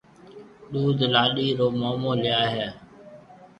ڏُوڌ لاڏِي رو مومون ليائيَ ھيََََ